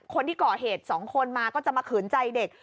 คนที่ก่อเหตุ๒คนมาก็จะมาขืนใจเด็ก